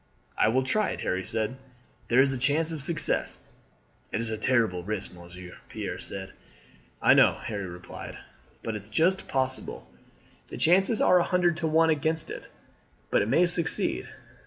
"I will try it," Harry said; "there is a chance of success." "It is a terrible risk, monsieur," Pierre said. "I know it," Harry replied; "but it is just possible. The chances are a hundred to one against it, but it may succeed.